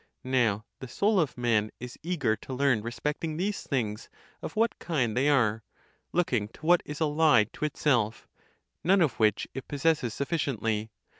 Now the soul of man is eager to learn respecting these things of what kind they are, looking to what is allied to itself, none of which it possesses sufficiently.